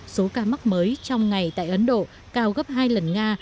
số ca mắc mới trong ngày tại ấn độ cao gấp hai lần nga